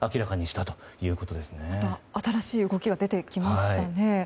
また新しい動きが出てきましたね。